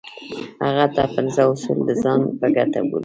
هغه دا پنځه اصول د ځان په ګټه بولي.